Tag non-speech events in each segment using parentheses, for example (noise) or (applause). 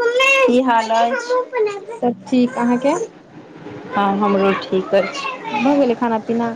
कि हाल अछि सब ठीक अहाँके (unintelligible) हँ हमरो ठीक है भऽ गेलै खाना-पीना?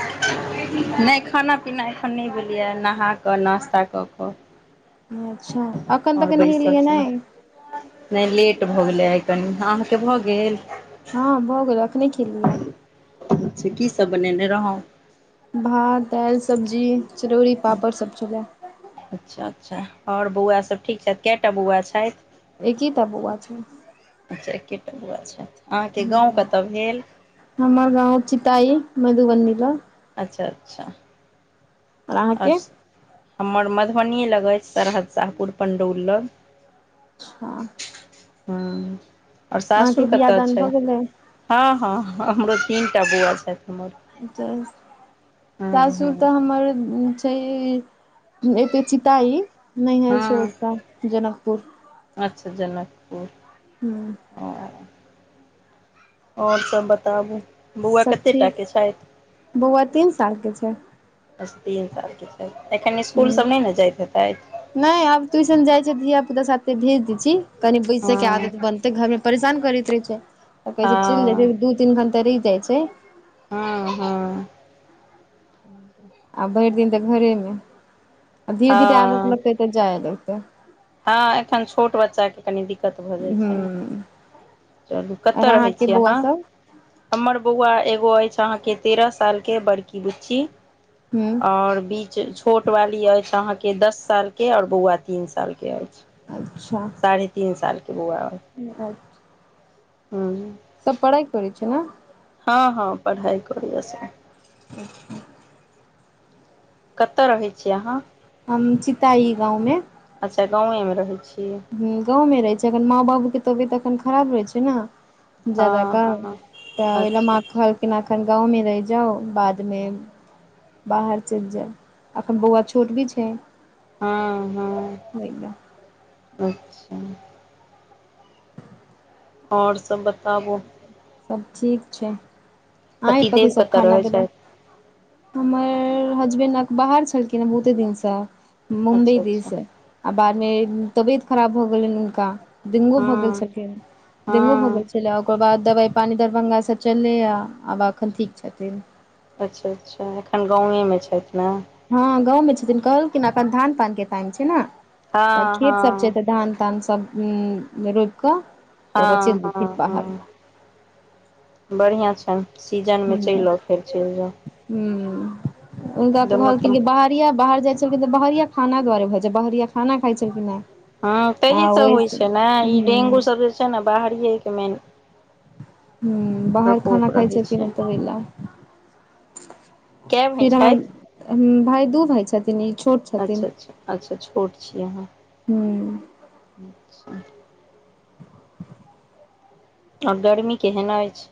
(unintelligible) नहि खाना-पीना एखन नहि भेलैए, नहा कऽ नाास्ता कऽ कऽ अच्छा। अखन आओर तक बैसल नहेलियै छलहुँ नहि? नहि, लेट भऽ गेलै आइ कनि। अहाँके भऽ गेल? हँ भऽ गेल, अखने खेलियै अच्छा की सब बनेने रहौँ? भात, दायल, सब्जी, चरौड़ी, पापड़ सभ छलय अच्छा-अच्छा, आओर बौआ सभ ठीक छथि, कएटा बौआ छैथ एकिटा बौआ छै अच्छा एकेटा बौआ छैथ। अहाँके गाँव हूँ केतऽ भेल? हमर गाँव चिताही, मधुबनी लग अच्छा अच्छा और अहाँके अच्छा, हमर मधुबनीए लगय अछि सरहदसाहपुर पण्डौल लग अच्छा हँ आओर अहाँके सासुर बियाह कतऽ दान छै? भऽ गेलै हँ हँ हमरो तीन टा बौआ छथि हमर हँ सासुर हँ तऽ हमर ऊं से एतै चीताई नैहर छै हँ ओतऽ जनकपुर अच्छा जनकपुर हूँ हँ आओर सब बताबू बौआ सब कते टा ठीक। के छथि बौआ तीन साल के छै? बस तीन सालके छै। एखन इसकुल सब नय ने जाइत हेतै? नय आब तूइसन जाइ छै धिया पुता साथे भेज दै छी, कनि बैसऽ के हँ आदत बन तऽ घर मे परेशान करैत रहेै छै। तऽ कहै छै चलि हँ जाइ, दू तीन घंटा रहि जाइ छै हँ हँ (inaudible) आ भरि दिन तऽ घरेमे। आ धीरे-धीरे आदत हँ लगतै तऽ जाय लगतै हँ एखन छोट बच्चाके कनी दिक्कत भऽ जाइ छै ने हूँ चलू, आर कतऽ रहै अहाँके छियै बौआ अहाँ? सब हम्मर बौआ एगो अछि अहाँके तेरह साल के बड़की बुच्ची हूँ आओर बीच छोट वाली अछि अहाँके दस साल के आओर बौआ तीन साल के के अछि साढ़े तीन साल के बौआ अय वअच्छा (inaudible) सब पढ़ाइ करै छै ने? हँ हँ पढ़ाइ करैये सब (inaudible) कतय रहै छियै आहाँ हम चीताइ गाँवमे अच्छा गाँवेमे रहै छी हुँ गाँवमे रहै छै अखन माँ बाबूके तबियत एखन खराब रहै छै न जादा हँ काल हँ तऽ ओहिले माँ अच्छा अच्छा कहल किन एखन गाँवमे रहि जाउ बादमे बाहर चलि जैब एखन बौआ छोट भी छै हँ हँ एकदम अच्छा आओर सब बताबू सब ठीक छै अहाँके कथी पतिदेव सब कतऽ खाना रहै भेलै छथि हमर हसबैंड अख बाहर छलखिन हेँ बहुते दिनसँ मुम्बई अच्छा दिस अच्छा आ बादमे तबियत खराब भऽ गेलनि हुनका डेंगू भऽ गेल हँ छलखिन डेंगू भऽ हँ गेल छलै आ ओकर बाद दबाइ पानि दरभङ्गासँ चललैय आब एखन ठीक छथिन अच्छा अच्छा एखन गाँवेमे छथि ने हँ गाँवमे छथिन कहलखिन एखन धान पान के टाइम छै न तऽ हँ खेतसभ छै हँ तऽ धान तानसभ रोपि कऽ तऽ ओकर चलि हँ जेथिन हँ बाहर हँ बढ़ियाँ छनि सीजन मे चलि आउ फेर चलि जाउ हुँ उनका दुनू कहलखिन ठाम की बाहर बरिया बाहर जाइ छलखिन तऽ बहरिया खाना दुआरे होइ छै बहरिया खाना खाइ छलखिन हे ह तही सब होइ छै ने ई डेंगू सब जे छै ने बाहरियएके मेन हुॅं बाहर खाना प्रकोप खाइ रहै छै छलखीन‌ ओहि लए कए भाय फिर छथि हमर भाय दू भााय छथिन ई छोट छथिन अच्छा अच्छा अच्छा छोट छी अहाँ हूँ आब गर्मी केहन अछि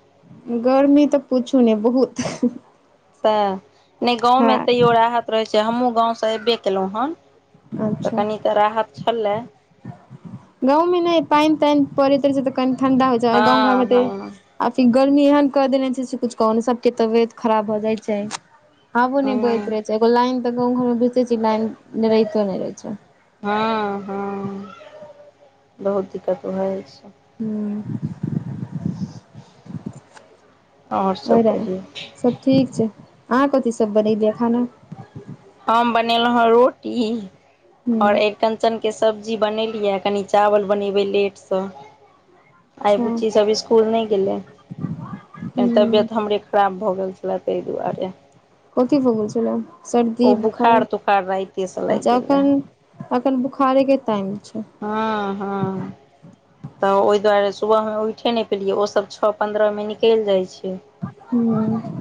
गर्मी तऽ पूछू नै बहुत तऽ नै हँ गाँवमे तैओ राहत रहैत छै हमहूँ गाँवसँ एबे केलहुँ हॅं तऽ अच्छा कनि तऽ राहत छलै गाँवमे नहि पैन तैन पड़ैत रहै छै तऽ कनि ठण्डा होइ छै हँ आओर गाँव घरमे तऽ हँ आ फिर गर्मी एहन कऽ देने छै से कुछ कहू ने सभके तबियत खराब भऽ जाइ छै हबो नै बैत हँ रहे छै एगो लाइन तऽ गाँं घर मे बुइझते छी लाइन रहितो नै रहे छै हँ हँ बहुत दिक्कत भ जै छै हुॅं आओर सब कहियौ (unintelligible) सब ठीक छै अहाँ कथी सब बनेलियै खाना हम बनेलहुँ ह रोटी अओर ह एक कञ्चनके सब्जी बनेलियै कनि चावल बनेबै लेटसँ आइ अच्छा बुच्ची सब स्कूल नै गेले कनी ह तबियत हमरे खराब भऽ गेल छलै तै दुआरे कथी भगेल छला ओ सर्दी बुखार तुखार राइतेसँ लागि गेल रहए अचछाखन अखन बुखारे के टाइम छै हँ हँ तऽ ओहि दुआरे सुबहमे उइठिे नै पेलियै ओसभ छओ पन्द्रहमे निकैल जाइ छै हुॅं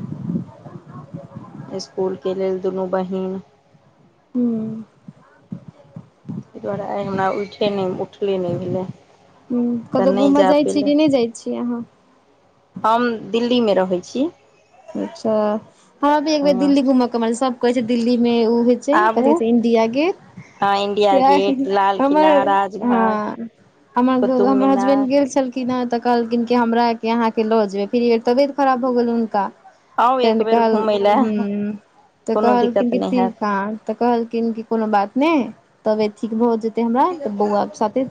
इसकुलके लेल दुनू बहिन हूँ ताहि दुआरेइ हमरा उइठे नै उठले नै भेलै तऽ कतहु नै घूमऽ जा जाइ छी पेलै कि नहि जाइ छी अहाँ हम दिल्ली मे रहै छी अच्छा हमरा भी एक बेर हँ दिल्ली घूमे के मन सब कहै छै दिल्ली मे आबू ओ (unintelligible) इंडिया गेट हँ इण्डिया सेह गेट लाल हमर किला राजघाट हॅं हमर कुतुब हमर हसबैंड मीनार गेल छलखिन एलखिन है तऽ कहलखिन कि हमरा के अहाँके लऽ जेबै फेर तबियत खराब भऽ गेलेन हुनका आउ एक त बेर कहल घुमय लए हुं तऽ कोनो कहल दिक्कत नहि हैत (unintelligible) तऽ कहलखिन कि कोनो बात नै तबियत ठीक भऽ जेतै हमरा तऽ बौआ साथे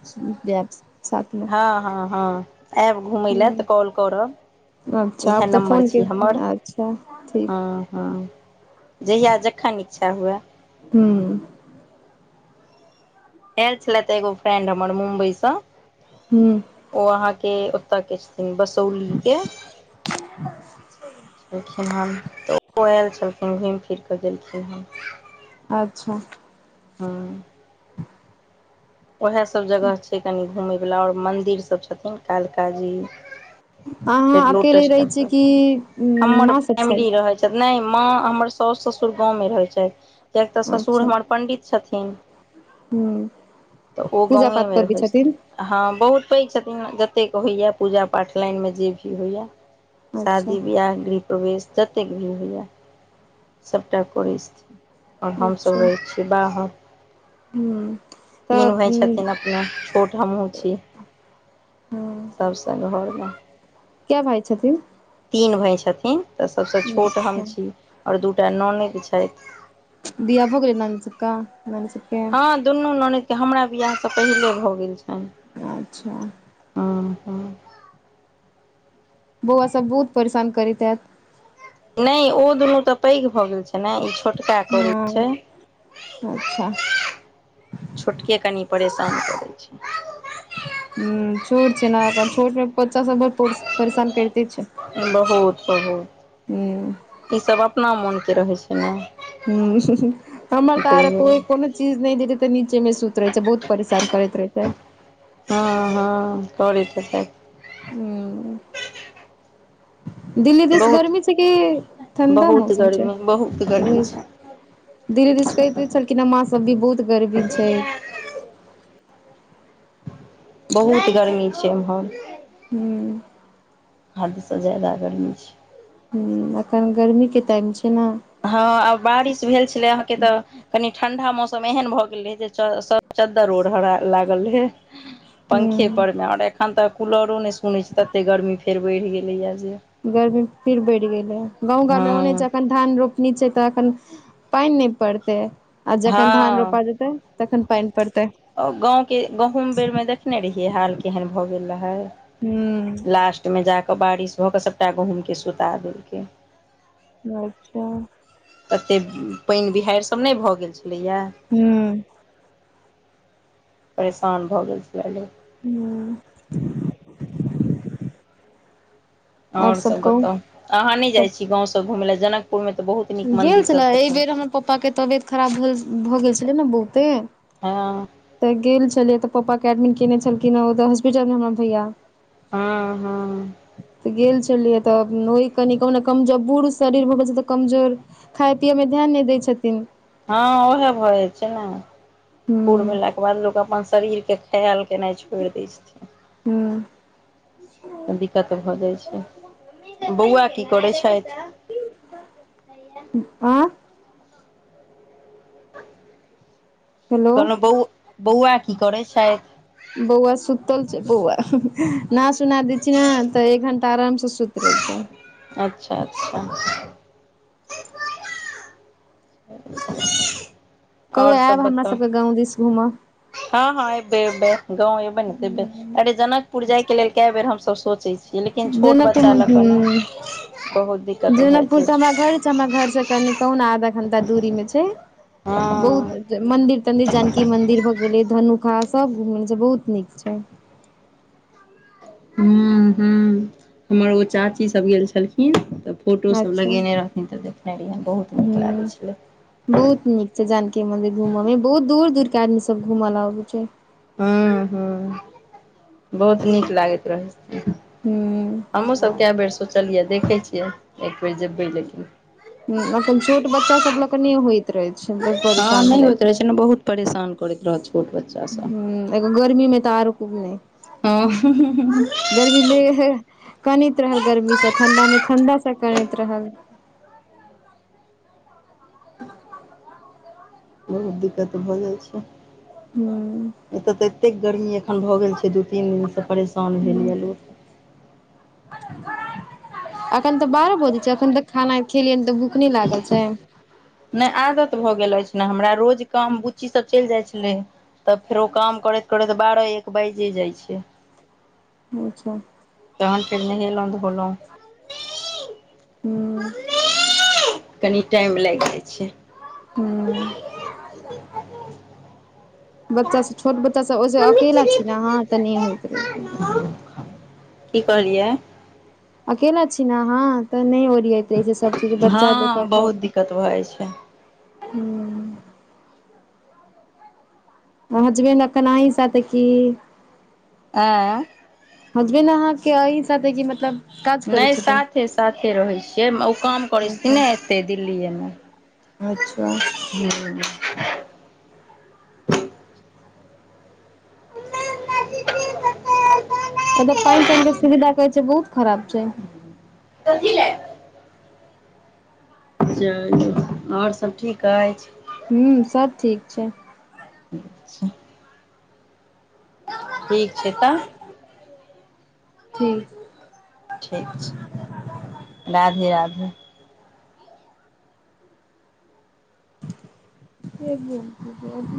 जेएब साथे हाँ हाँ हाँ ऐब घुमैय लऽ त हूँ कॉल करब अच्छा इहे आब तऽ नंबर ‌ फोन के छी हमर अच्छा ठीक हाँ हाँ जहिया जखन इच्छा हुए हुॅं एल छलेत एगो फ्रेंड हमर मुम्बई स हुॅं ओ अहाँके ओतय के छै बसौली के (unintelligible) ओ एल छलखिन घुइम फिर ‌कऽ गेलखिन हन अच्छा हूं वएह सब जगह छै कनि घूमेय वाला और मंदिर सब छथिन कैलकाजीमे अहाँ फेर अकेले लोटस रहै छियै टेम्पल पर। कि हमरा माँ सब छथि फैमिली रहे छथिन नै माँ हमर साास ससुर गाँव मे रहै छैकियाक तऽ ससुर अच्छा हमर पंडित छथिन हूँ तऽ ओ पूजा पाठ गांवेंमेमे करै रहै यह त छथिन हाँ बहुत पैघ छथिन जतेक होइए पूजा पाठ लाइन में मे जे भी किछु होइए अच्छा शादी बियाह दि प्रवेश जतेक भी होइया सभटा करै छि और हमसभ रहैत छिय बाहर हूं तीन भाइ छथिन अपने छोट हमहू छीयै सब संग घर में जाय कैभाइ छथिन तीन भाइ छथिन तऽ सभसँ छोट हम अच्छा छी आऔर दूटा ननैदछाथि बियाह भ गेल ननैद सबके ननैदसब हाँ दुनू ननैदके हमरा बियाह स पहिले भऽ गेल छानि अच्छा हूं हांँ बौआ सब बहुत परेशानकरैत हैत न ईओ दुनू तऽ पैघ भऽ गेल छै लैने छोटका करै हँ छै अच्छा छोटके कनि परेशान करै छै हूं छोट छै ने र छोट में बच्चा बड परेशान करैतेछै बहुत हूँ बहुत इसभ अपना मोन केरहैत छैय न हूं हमर तऽ आओर कोइ पहुंच फिरनहि देतबैतऽ नीचे में सु ईहत रहैत छैय बहुत परेशान करैत रहे छैय तहाँ तरैत हेतैय हूं ह दिल्लीदिस गर्मी छैय की ठंडा बहुत मौसम छैय गर्मी बहुत गर्मी छै दिल्ली दिस कहि छलखिन मां सेबहुत गर्मी दछै बहुत गर्मी छै एम्हर हूँ हदसँ जा्यदा गर्मी छैय ह अखैन गर्मीके टाइम छै न हँ आव बारिश भेल छलैयअहाँके तऽ कनी ठंडा मौसम एहन भऽ गेल रहै जेसब चद्दर ओढल लागल रहैय पंखे ह पर मेआओर एखन तऽ कूलरो नहि सुनैत छैय तते गर्मी फेर बढ़ि गेलैएा ये जे गर्मी फिर बढ़ि गेल, गाँव घरमे ओनेसे हँ जखन धान रोपनी छै तऽ अखन पानी नहीं पड़तै आ जखन धान हँ रोपजेतै तखनपानीपड़तैय गाँवके गहूँम बेरमे देखने रहियै हाल, केहन भऽ गेल रहय हू लास्टमे जाकऽ बारिश भऽ कऽ सभटा गहूँम के सुता देलकैय अच्छा ऽ ततेक पायन बिहार सभ नैय भऽ गैल छलैया। हू। परेशान भऽ गेल छलै यैह लैल। नैय। आओर सब बताउ? अहाँ नैय जाइ छी गाँव सब घुमयल जनकपुर मे तऽ बहुत। नीक गैल मन्दिर छलै, सब एहि छथिन बेर हमर पापा के तबियत खराब भ भऽ गैल छलै नै बहुते। हा। तऽ गैल छलियै। तऽ पापा के एडमिट केने छलखिन हँ ओ तऽ हॉस्पिटल मे हमर भैया। हा हा तऽ गेल छलियै तऽ ओहि कनि कहो कमज बूढ़ शरीर भऽ गेल छैय तऽ कमजोर। खाइ पिये में ध्यान नैय दै छथिन। हँ ओह भऽ जाइ छैय नैय। बूढ़ हूँ भेलाके बाद लोक अपन शरीर के। खयाल केनाय छोड़ दैय छथिन। हूँ त दि। क्कत भऽ जाइ छैय। बौआ की करै छैथ? की आअ हेलो कह लउ बौ बौआ की करै छैथ? बौआ सुतल छै बौआ। नहा सोना दैय छियै नैय तऽ एक घण्टा आरामसँ सुत रहै छैया। अच्छा अच्छा अच्छा। (inaudible) कहियो आओर आएब सब हमरा बताउ सबके गाँव दिस घूमऽ। हँ हँ एबे एबै गाँव एबे ने तइ बैर, अरे जनकपुर जाय के लेल कए बैर हमस सोचे छी। लेकिन छोट जनकपुर बच्चा लग कऽ न हूँ बहुत दिक्कत। भऽ जनकपुर जाइ तऽ छै हमरा घर छैय, हमरा घर से कनि कहु ने आधा घंटा दूरी मे छैय। हँ बहुत मंदिर तन्दिर जानकी मंदिर भऽ गेलै धनु। हां, सब घुम नैनैछैय बहुत नीक छैय। हूं हूं हमर ओ चाची सब गेल छलखिन। फोटो सब अच्छा लगेने रहथिन तऽ देखने रहिये, बहुत नीक लाग इ छलै ‌ से जानकी मन्दिर घूमऽ में बहुत दूर-दूर के आदमी सब घूम ल आबै छैय। हूं हूं बहुत नीक लागैत रहै। हू हमहुँ सभ कए बैर सोचलियै, देखै छियै एक बैर जेबै लेकिन। ह अखन छोट बच्चा सब लऽ क नैय होइत रहै छैय बड हँ परेशान नहि भऽ जाइ होइत रहै छि। छै ने बहुत परेशान करैत रहत छोट बच्चा। सब हूं एगो गर्मी मे तऽ आरो कि नै। हाँ हूं हूं गर्मी मे हे कनैत रहल गर्मीसँ, ठंडा मे ठंडा स कनैत रहल। बहुत दिक्कत भऽ जाइ छैय। ह एतऽ ततेक गर्मी एखन भऽ गैल छैय दू तीन दिन से परेशान भेलय लोक। (inaudible) अखन तऽ बारह बजम छैय अखन तक खाना आर खियेलयै न ई तऽ भूख नैय लागल छैय। नैय आदत भऽ गेल अछि ने हमरा रोज काम बुच्ची सभ चैल जाइत छलैय। तब फेरो काम करैत करैत बारह एक बाजिये जाय छैय। अच्छाऽ। तहन फेर नहेलो धोवेलो मम्मी हूँ मम्मीइ। कनि टाइम लाइग जाय छै हुँ (inaudible) बच्चा सब छोट बच्चा सब ओय सँ अकेला छी नऽ अहाँ तऽ नय होइत रहै (inaudible) की कहलियै अकेला छी नऽ अहाँ तऽ नय ओरियातइ रहै छै सब चीज बच्चा खाय हँ बहुत मे दिक्कत भऽ जाइ छै हुँ पहुचबै अखैन आही साथे की अएऽ हजबेन अहाँकेँ अहि साथे की मतलब काज करै नय छथिन साथे - साथे रहै छियै ओ काम करै छथिन अच्छा नऽ एत्तै दिल्लीये मे (unintelligible) हुँ (inaudible) ओमने पाइन ताइन केँ सुविधा कहै छै बहुत खराब छै (inaudible) (unintelligible) आओर सब ठीक अछि हुँ सब ठीक छै अच्छऽ ठीक छै तऽ ठीक ठीक छै राधे राधे (inaudible)